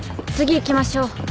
次行きましょう。